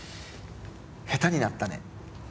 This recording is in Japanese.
「下手になったね」。